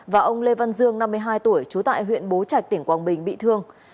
và ông lê văn dương năm mươi hai tuổi chú tại huyện bố trạch tỉnh quang bình bị thương